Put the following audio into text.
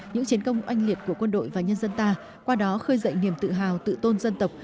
những chiến công oanh liệt của quân đội và nhân dân ta qua đó khơi dậy niềm tự hào tự tôn dân tộc